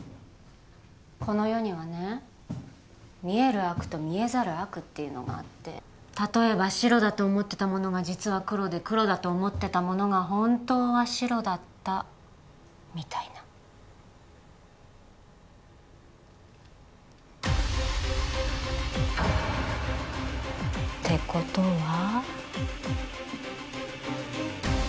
この世にはね見える悪と見えざる悪っていうのがあって例えば白だと思ってたものが実は黒で黒だと思ってたものが本当は白だったみたいなてことは？